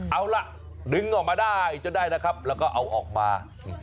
เอาล่ะดึงออกมาได้จนได้นะครับแล้วก็เอาออกมา